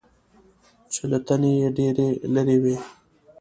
چې له تنې یې ډېرې لرې وي .